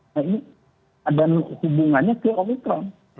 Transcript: nah ini ada hubungannya ke omikron